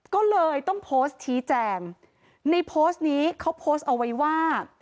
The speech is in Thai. ก็เลยต้องโพสต์ชี้แจงในโพสต์นี้เขาโพสต์เอาไว้ว่า